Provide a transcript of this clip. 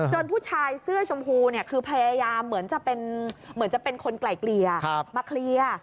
จนผู้ชายเสื้อชมพูคือพยายามเหมือนจะเป็นคนไกล่เกลี่ยมาเคลียร์